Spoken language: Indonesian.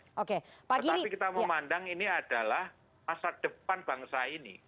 tapi kita memandang ini adalah asat depan bangsa ini